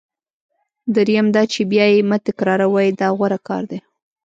دریم دا چې بیا یې مه تکراروئ دا غوره کار دی.